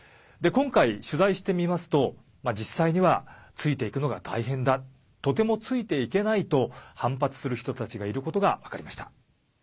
今回、取材してみますと実施にはついていくのが大変だとてもついていけないと反発する人たちがいることが分かりました。